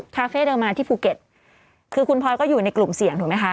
คาเฟ่เดิมมาที่ภูเก็ตคือคุณพลอยก็อยู่ในกลุ่มเสี่ยงถูกไหมคะ